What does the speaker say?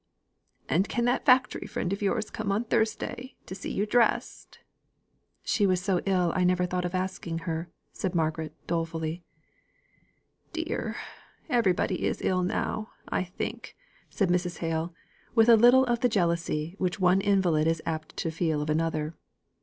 "And can your factory friend come on Thursday to see you dressed?" "She was so ill I never thought of asking her," said Margaret, dolefully. "Dear! Everybody is ill now, I think," said Mrs. Hale, with a little of the jealousy which one invalid is apt to feel of another.